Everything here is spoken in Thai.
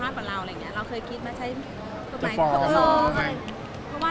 เราเคยคิดมาใช้กฎหมาย